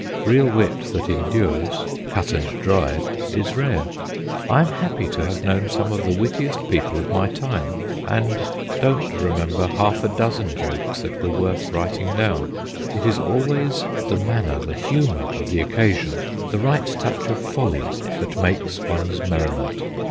Real wit that endures, cut and dried, is rare. I am happy to have known some of the wittiest people of my time, and don't remember half a dozen jokes that were worth writing down : it is always the manner, the humour of the occa sion, the right touch of folly, that makes one's merriment.